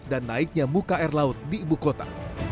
dan naiknya muka air laut di ibu kota